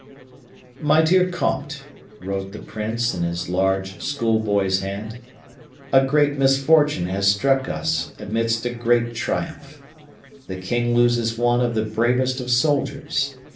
"MY DEAR COMTE," wrote the prince, in his large, school boy's hand, "a great misfortune has struck us amidst a great triumph. The king loses one of the bravest of soldiers.